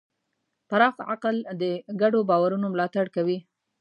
پراخ عقل د ګډو باورونو ملاتړ کوي.